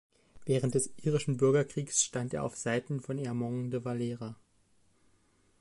Während des irischen Bürgerkriegs stand er auf Seiten von Eamon de Valera.